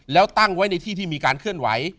แล้วตั้งไว้ในที่ที่มีการเคลื่อนไหว